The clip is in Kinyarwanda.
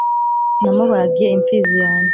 namubagiye imfizi yanjye